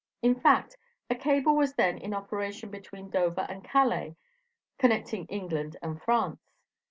In fact, a cable was then in operation between Dover and Calais, connecting England and France.